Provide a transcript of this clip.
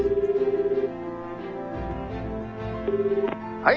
はい！